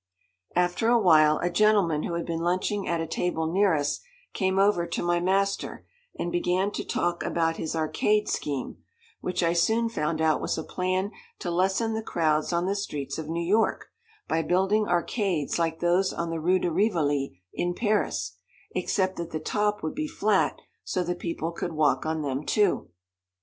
After a while, a gentleman who had been lunching at a table near us came over to my master, and began to talk about his arcade scheme, which I soon found out was a plan to lessen the crowds on the streets of New York, by building arcades like those on the Rue de Rivoli in Paris, except that the top would be flat, so the people could walk on them too.